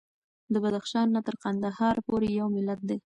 د بدخشان نه تر قندهار پورې یو ملت دی.